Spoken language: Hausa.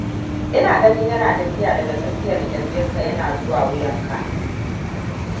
Ina ganin yana tafiya daga tsakiyar kirjin ka yana zuwa wuyan ka